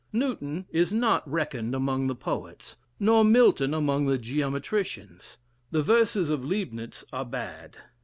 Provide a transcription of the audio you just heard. Newton is not reckoned among the poets, nor Milton among the geometricians: the verses of Leibnitz are bad.